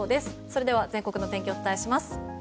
それでは全国の天気をお伝えします。